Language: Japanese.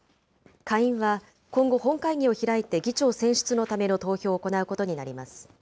下院は今後、本会議を開いて議長選出のための投票を行うことになります。